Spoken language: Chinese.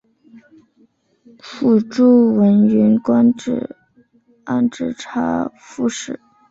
父朱文云官至按察副使。